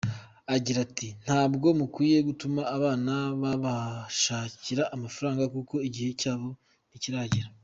Agira ati “Ntabwo mukwiye gutuma abana kubashakira amafaranga kuko igihe cyabo ntikiragera.